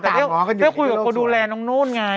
แต่เรียกว่าดูแลน้องโน้นไง